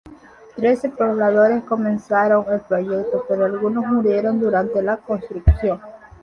Trece pobladores comenzaron el proyecto, pero algunos murieron durante la construcción.